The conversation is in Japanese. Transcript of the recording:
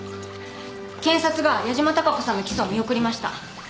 検察が矢島貴子さんの起訴を見送りました。